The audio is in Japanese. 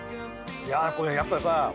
いやぁこれやっぱりさ。